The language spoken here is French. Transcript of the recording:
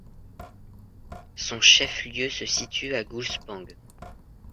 Son chef-lieu se situe à Gullspång.